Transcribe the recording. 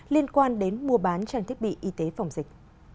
liên quan đến mua bán trang thiết bị y tế phòng dịch